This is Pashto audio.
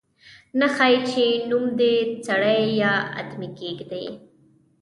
نه ښايي چې نوم دې سړی یا آدمي کېږدي.